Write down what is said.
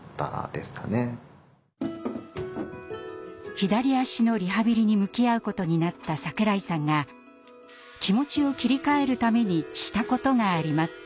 左脚のリハビリに向き合うことになった櫻井さんが気持ちを切り替えるためにしたことがあります。